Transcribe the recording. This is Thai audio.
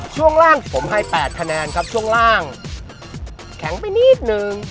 ช่วงล่างผมให้๘คะแนนครับแข็งไปนิดหนึ่ง